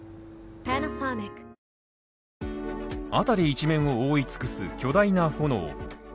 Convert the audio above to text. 辺り一面を覆い尽くす巨大な炎。